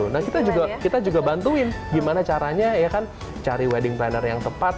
nah kita juga bantuin gimana caranya ya kan cari wedding planner yang tepat